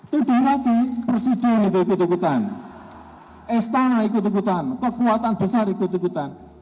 tidak lagi presiden ikut ikutan istana ikut ikutan kekuatan besar ikut ikutan